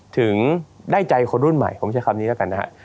ถึงได้ใจคนรุ่นใหม่ผมใช้คำนี้แล้วกันนะฮะ